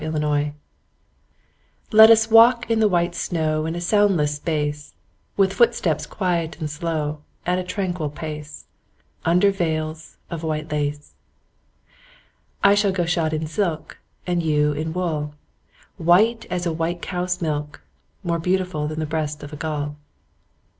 VELVET SHOES Let us walk in the white snow In a soundless space; With footsteps quiet and slow, At a tranquil pace, Under veils of white lace. I shall go shod in silk, And you in wool, White as a white cow's milk, More beautiful Than the breast of a gull.